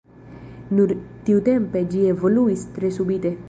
Nur tiutempe ĝi evoluis tre subite.